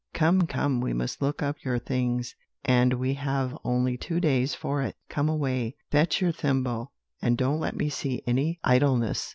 Come, come, we must look up your things, and we have only two days for it; come away, fetch your thimble; and don't let me see any idleness.'